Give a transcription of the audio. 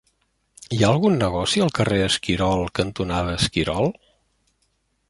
Hi ha algun negoci al carrer Esquirol cantonada Esquirol?